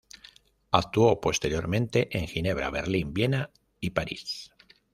Actuó posteriormente en Ginebra, Berlín, Viena y París.